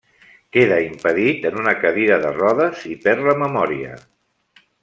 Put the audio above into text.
Queda impedit en una cadira de rodes i perd la memòria.